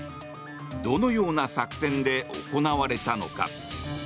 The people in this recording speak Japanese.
どのような作戦で行われたのか。